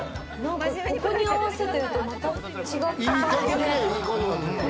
ここに合わせてるとまた違った感じで。